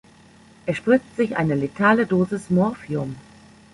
Er spritzt sich eine letale Dosis Morphium.